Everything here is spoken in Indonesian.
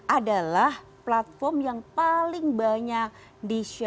adalah platform yang paling banyak di share